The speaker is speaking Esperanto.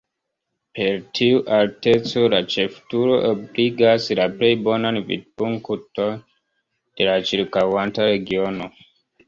Per tiu alteco, la ĉefturo ebligas la plej bonan vidpunkton de la ĉirkaŭanta regiono.